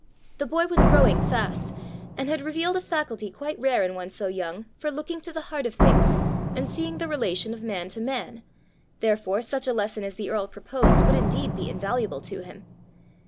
The boy was growing fast, and had revealed a faculty quite rare, in one so young, for looking to the heart of things and seeing the relation of man to man; therefore such a lesson as the earl proposed would indeed be invaluable to him!